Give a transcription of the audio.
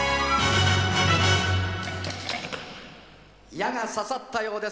矢が刺さったようです。